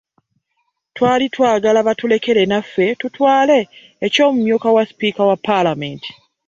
Twali twagala batulekere naffe tutwale eky'omumyuka wa sipiika wa ppaalamenti